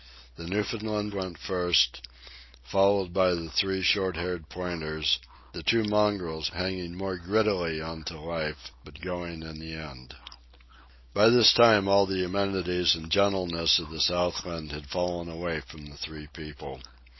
The Newfoundland went first, followed by the three short haired pointers, the two mongrels hanging more grittily on to life, but going in the end. By this time all the amenities and gentlenesses of the Southland had fallen away from the three people.